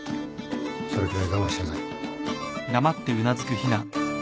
それくらい我慢しなさい。